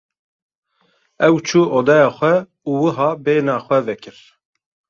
Ew çû odeya xwe û wiha bêhna xwe vekir.